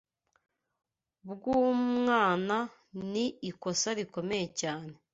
bw’umwana ni ikosa rikomeye cyane